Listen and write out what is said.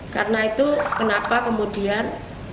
karena itu kenapa kemudian